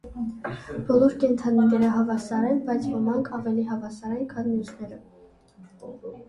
Բոլոր կենդանիները հավասար են, բայց ոմանք ավելի հավասար են, քան մյուսները։